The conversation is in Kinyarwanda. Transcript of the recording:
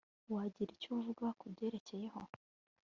wagira icyo avuga ku biyerekeyeho